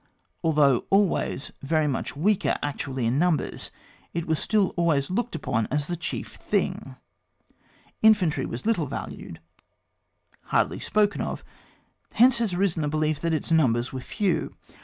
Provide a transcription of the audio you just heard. although always ^ry m'u(^ weak^ actu ally in numbers, it was still alwltys looked upon as the chief tiiung, infantry wa9 little valued, hardly spoken of ; hence ha3 arisen the belief that its numbers were few.